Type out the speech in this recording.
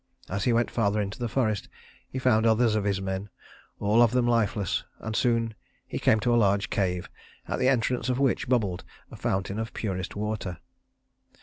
As he went farther into the forest he found others of his men, all of them lifeless, and soon he came to a large cave, at the entrance of which bubbled a fountain of purest water.